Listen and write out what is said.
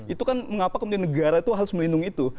itu kan mengapa kemudian negara itu harus melindungi itu